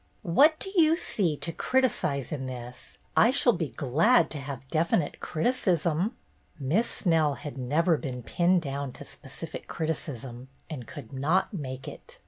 "What do you see to criticise in this ? I shall be glad to have definite criticism." Miss Snell had never been pinned down to specific criticism and could not make it.